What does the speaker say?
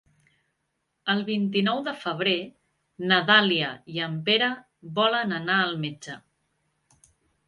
El vint-i-nou de febrer na Dàlia i en Pere volen anar al metge.